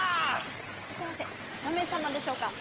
いらっしゃいませ何名様でしょうか？